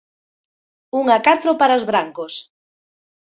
Un a catro para os brancos.